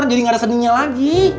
jadi gak ada seninya lagi